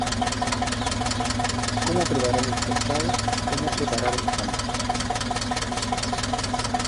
Cómo preparar el pescado, cómo preparar el pan.